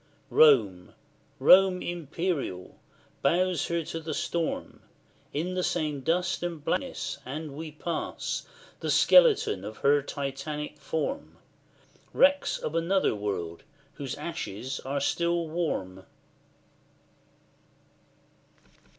Rome Rome imperial, bows her to the storm, In the same dust and blackness, and we pass The skeleton of her Titanic form, Wrecks of another world, whose ashes still are warm.